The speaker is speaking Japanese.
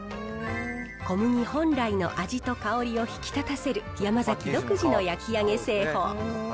小麦本来の味と香りを引き立たせる、ヤマザキ独自の焼き上げ製法。